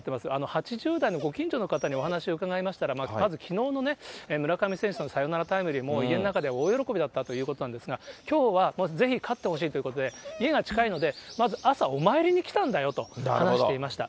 ８０代のご近所の方にお話を伺いましたら、まずきのうの村上選手のサヨナラタイムリー、もう家の中では大喜びだったということなんですが、きょうはぜひ勝ってほしいということで、家が近いので、まず朝、お参りに来たんだよと話していました。